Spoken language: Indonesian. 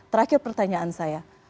terakhir pertanyaan saya